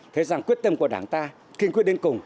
thấy rằng quyết tâm của đảng ta kiên quyết đến cùng